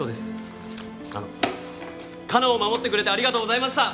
あのかのんを護ってくれてありがとうございました！